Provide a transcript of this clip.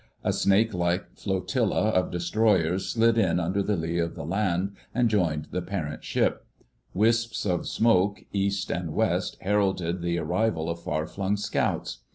A snake like flotilla of Destroyers slid in under the lee of the land and joined the parent ship; wisps of smoke east and west heralded the arrival of far flung scouts.